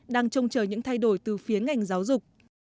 đang trông chờ những thay đổi từ phía ngành giáo dục